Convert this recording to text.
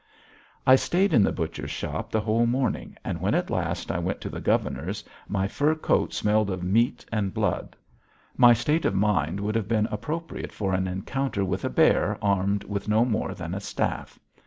I stayed in the butcher's shop the whole morning, and when at last I went to the governor's my fur coat smelled of meat and blood. My state of mind would have been appropriate for an encounter with a bear armed with no more than a staff.